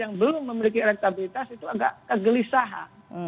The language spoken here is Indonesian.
yang belum memiliki elektabilitas itu agak kegelisahan